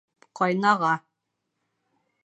Ҡайнаға.